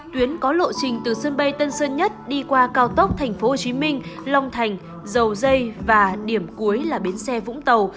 tuyến có lộ trình từ sân bay tân sơn nhất đi qua cao tốc tp hcm long thành dầu dây và điểm cuối là bến xe vũng tàu